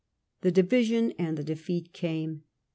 The division and the defeat came.